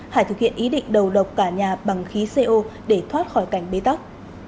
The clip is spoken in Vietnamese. hải thực hiện ý định đầu độc cả nhà bằng khí co để thoát khỏi cảnh bế tắc